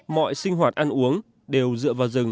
mọi sinh hoạt ăn uống đều dựa vào rừng